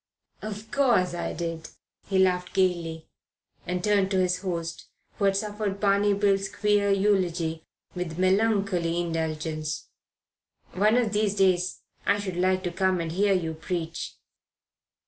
"Of course I did." He laughed gaily and turned to his host, who had suffered Barney Bill's queer eulogy with melancholy indulgence. "One of these days I should like to come and hear you preach."